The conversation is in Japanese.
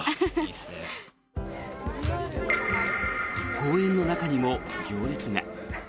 公園の中にも行列が。